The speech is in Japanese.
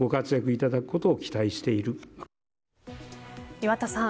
岩田さん